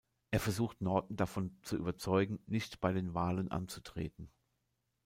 Er versucht Norton davon zu überzeugen, nicht bei den Wahlen anzutreten.